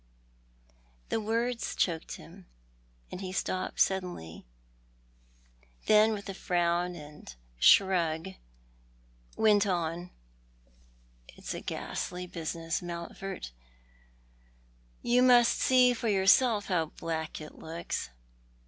The words choked him ; he stopped suddenly — then with a frown and a shrug went on — 134 ThoiL art the Man. " It's a ghastly business, Mountford. You must see for your self how black it looks."